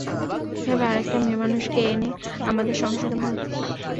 কিভাবে আরেকটা মেয়েমানুষকে এনে আমাদের সংসারে ভাগ দিস?